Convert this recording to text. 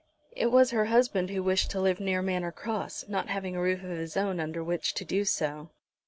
It was her husband who wished to live near Manor Cross, not having a roof of his own under which to do so.